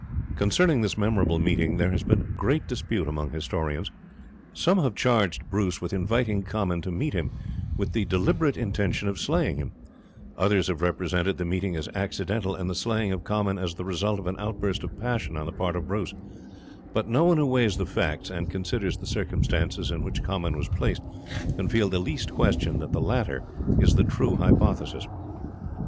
Concerning this memorable meeting there has been great dispute among historians. Some have charged Bruce with inviting Comyn to meet him, with the deliberate intention of slaying him; others have represented the meeting as accidental, and the slaying of Comyn as the result of an outburst of passion on the part of Bruce; but no one who weighs the facts, and considers the circumstances in which Comyn was placed, can feel the least question that the latter is the true hypothesis.